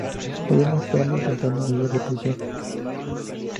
Murió más tarde intentando huir de prisión.